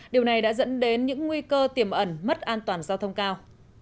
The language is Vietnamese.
điều này đã dẫn đến những nguy cơ tiềm ẩn mất an toàn giao thông cao